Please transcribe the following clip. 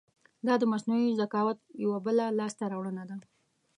دا د مصنوعي ذکاوت یو بله لاسته راوړنه ده.